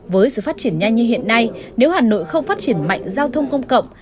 với sự phát triển nhanh như hiện nay nếu hà nội không phát triển mạnh giao thông công cộng